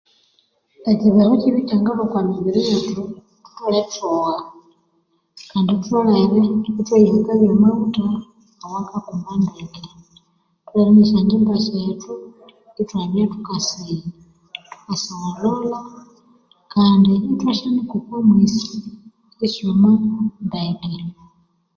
Ekyibeho kyibi ekyangalhwa okwa mimibiri yethu thutholere ithwogha kandi thutholere ithwayihakabya amaghutha awakakumba ndeke nesyangyimba syethu ithwabya thuka sigholholha kandi ithwa syanika okwa mwesi isyuma ndeke.